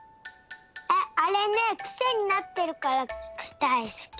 あれねクセになってるからだいすき。